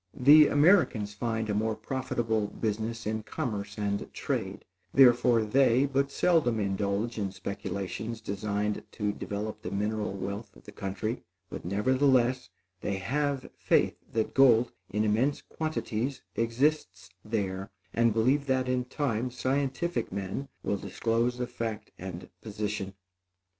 The Americans find a more profitable business in commerce and trade, therefore they but seldom indulge in speculations designed to develop the mineral wealth of the country; but nevertheless, they have faith that gold, in immense quantities, exists there, and believe that, in time, scientific men will disclose the fact and position.